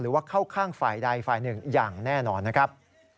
ว่าเข้าข้างฝ่ายใดฝ่ายหนึ่งอย่างแน่นอนนะครับ